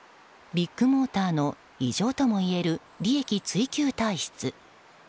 ビッグモーターの異常ともいえる利益追求体質。